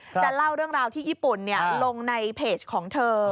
จะเล่าเรื่องราวที่ญี่ปุ่นลงในเพจของเธอ